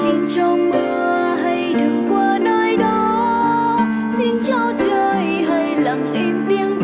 xin cho mưa hãy đừng qua nơi đó xin cho trời hãy lặng im tiếng gió